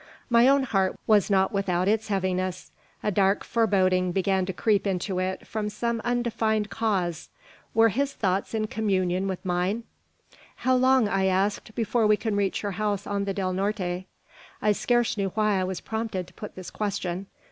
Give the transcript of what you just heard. My own heart was not without its heaviness. A dark foreboding began to creep into it from some undefined cause. Were his thoughts in communion with mine? "How long," I asked, "before we can reach your house on the Del Norte?" I scarce knew why I was prompted to put this question.